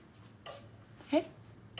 えっ？